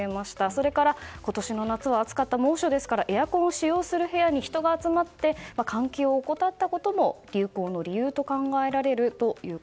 それから今年の夏は暑かった猛暑ですからエアコンを使用する部屋に人が集まって換気を怠ったことも流行の理由と考えられると。